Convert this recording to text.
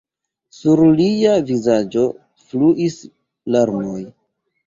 Sur lia vizaĝo fluis larmoj.